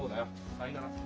さいなら。